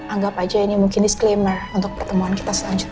anggap aja ini mungkin disclaimer untuk pertemuan kita selanjutnya